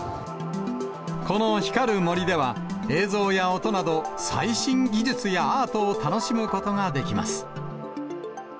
この光る森では、映像や音など、最新技術やアートを楽しむことができます。